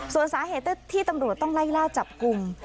ส่วนสาเหตุที่ตำรวจต้องไล่ล่าจับกลุ่ม